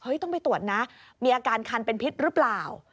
ต้องไปตรวจนะมีอาการคันเป็นพิษหรือเปล่า